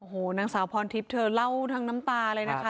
โอ้โหนางสาวพรทิพย์เธอเล่าทั้งน้ำตาเลยนะคะ